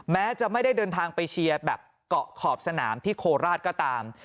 แม้จะไม่ได้เดินทางไปเชียร์แบบเกาะขอบสนามที่โคราชก็ตาม